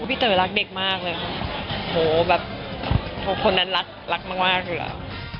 พี่เต๋อรักเด็กมากเลยโหแบบคนนั้นรักรักมากเลย